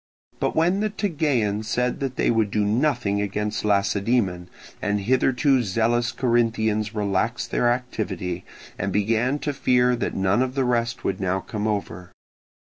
But when the Tegeans said that they would do nothing against Lacedaemon, the hitherto zealous Corinthians relaxed their activity, and began to fear that none of the rest would now come over.